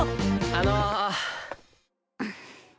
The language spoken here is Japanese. あの。